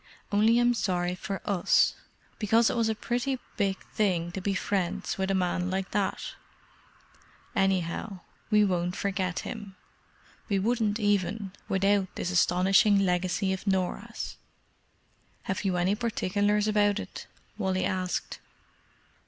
"Only I'm sorry for us, because it was a pretty big thing to be friends with a man like that. Anyhow, we won't forget him. We wouldn't even without this astonishing legacy of Norah's." "Have you any particulars about it?" Wally asked.